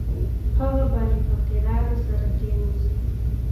هغه به له فقیرانو سره کښېناست.